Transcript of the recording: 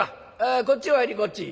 あこっちお入りこっち」。